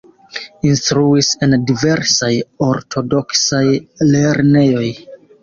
Instruis en diversaj ortodoksaj lernejoj.